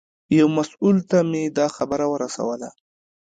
یو مسوول ته مې دا خبره ورسوله.